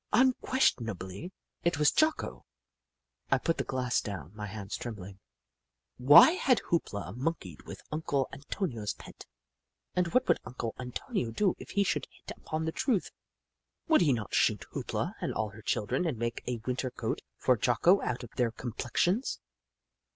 Unquestionably, it was Jocko ! I put the glass down, my hands trembling. Why had Hoop La monkeyed with Uncle An tonio's pet? And what would Uncle Antonio do if he should hit upon the truth ? Would he not shoot Hoop La and all her children and make a Winter coat for Jocko out of their complexions